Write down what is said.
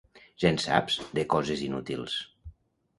Ja en saps, de coses inútils!